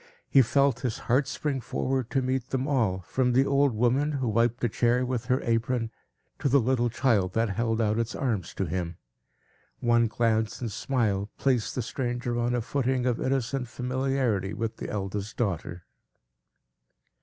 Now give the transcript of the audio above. He felt his heart spring forward to meet them all, from the old woman, who wiped a chair with her apron, to the little child that held out its arms to him. One glance and smile placed the stranger on a footing of innocent familiarity with the eldest daughter.